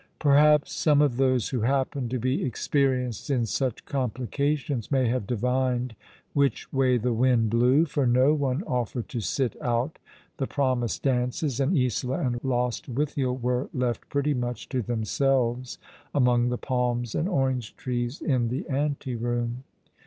Perhaps some of those who hapi^ened to be experienced in such complications may have divined which way the wind blew, for no one offered to sit out the promised dances, and Isola and Lostwithiel were left pretty much to themselves among the palms and orange trees in the ante room.